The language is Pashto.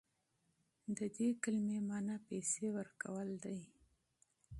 د دې کلمې معنی پیسې ورکول دي.